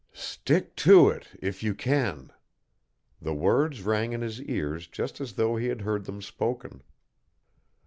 "Stick to it if you can." The words rang in his ears just as though he had heard them spoken.